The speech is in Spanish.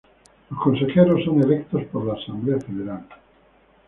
Los consejeros son electos por la Asamblea Federal.